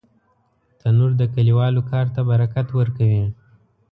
تنور د کلیوالو کار ته برکت ورکوي